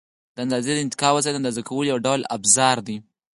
د اندازې د انتقال وسایل د اندازه کولو یو ډول افزار دي.